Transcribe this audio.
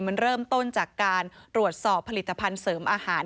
มันเริ่มต้นจากการตรวจสอบผลิตภัณฑ์เสริมอาหาร